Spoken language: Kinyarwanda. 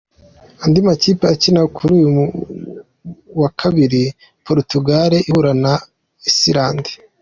Andi makipe akina kuri uyu wa kabiri ni Portugal ihura na Iceland.